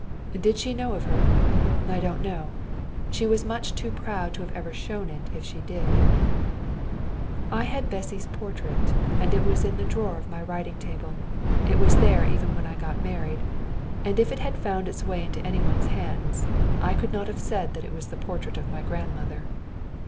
Did she know of her? I don't know. She was much too proud to have ever shown it if she did. I had Bessy's portrait, and it was in the drawer of my writing table. It was there even when I got married. And if it had found its way into any one's hands, I could not have said that it was the portrait of my grandmother.